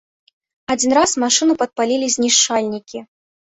Адзін раз машыну падпалілі знішчальнікі.